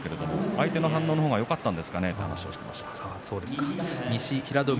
相手の反応の方がよかったんですかねと話していました。